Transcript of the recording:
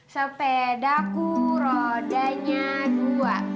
sepedaku rodanya dua